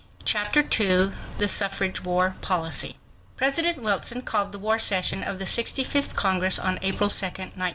Chapter 2 The Suffrage War Policy President Wilson called the War Session of the Sixty fifth Congress on April 2, 1917.